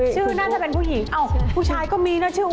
ชื่อน่าจะเป็นผู้หญิงผู้ชายก็มีนะชื่อ